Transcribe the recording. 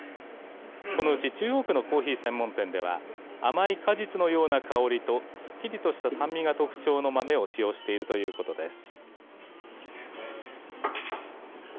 このうち中央区のコーヒー専門店では甘い果実のような香りとすっきりとした酸味が特徴の豆を使用しているということです。